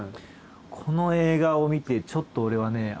この映画を見てちょっと俺はね